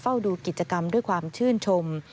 ดูกิจกรรมด้วยความชื่นชม